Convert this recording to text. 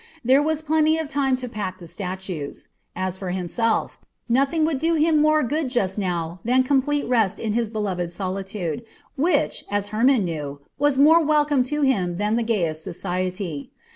There was plenty of time to pack the statues. As for himself, nothing would do him more good just now than complete rest in his beloved solitude, which, as Hermon knew, was more welcome to him than the gayest society.